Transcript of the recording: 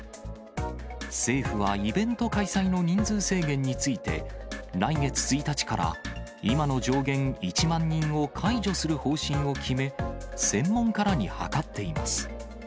政府はイベント開催の人数制限について、来月１日から今の上限１万人を解除する方針を決め、専門家らに諮っています。